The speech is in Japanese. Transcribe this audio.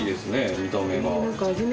見た目が。